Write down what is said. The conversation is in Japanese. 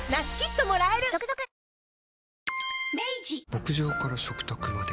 牧場から食卓まで。